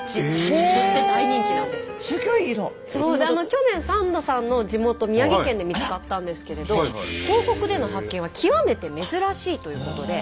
去年サンドさんの地元宮城県で見つかったんですけれど東北での発見は極めて珍しいということで。